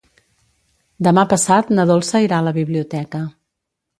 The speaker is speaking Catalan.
Demà passat na Dolça irà a la biblioteca.